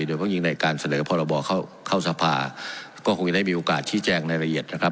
โดยเพราะยิ่งในการเสนอพรบเข้าสภาก็คงจะได้มีโอกาสชี้แจงในละเอียดนะครับ